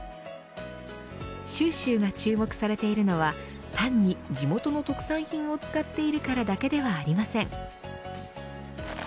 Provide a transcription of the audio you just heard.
ｃｈｏｕｃｈｏｕが注目されているのは単に地元の特産品を使っているからだけではありません。